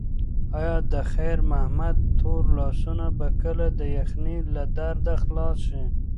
ایا د خیر محمد تور لاسونه به کله د یخنۍ له درده خلاص شي؟